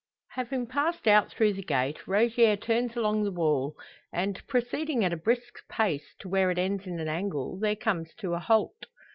Having passed out through the gate, Rogier turns along the wall; and, proceeding at a brisk pace to where it ends in an angle, there comes to a halt.